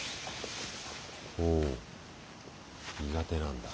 苦手なんだ。